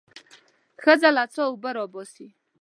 ښځه له څاه اوبه راباسي.